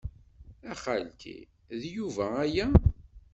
A xalti, d Yuba aya.